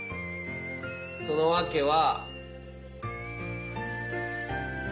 その訳は。